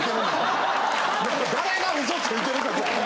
誰がウソついてるか。